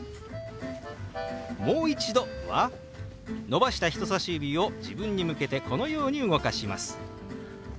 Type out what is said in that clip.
「もう一度」は伸ばした人さし指を自分に向けてこのように動かします。